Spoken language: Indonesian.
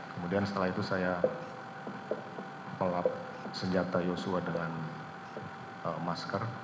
kemudian setelah itu saya melap senjata joshua dengan masker